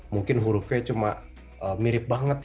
mungkin hurufnya cuma mirip banget